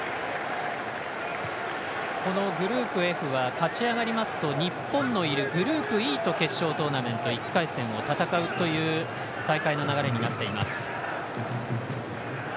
グループＦは勝ち上がりますと日本のいるグループＥと決勝トーナメント１回戦を戦うという大会の流れになっています。